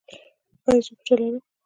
ایا زه غوټه لرم؟